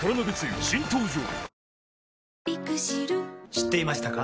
知っていましたか？